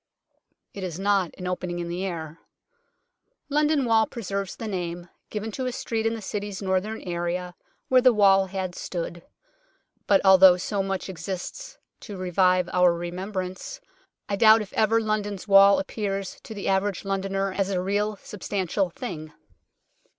It is not an opening in the air. London Wall preserves the name, given to a street in the City's northern area where the wall had stood. But although so much exists to revive our remembrance, I doubt if ever London's wall appears to the average Londoner as a real, substantial thing.